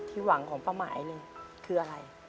ที่หวังของป้าหมายคืออะไร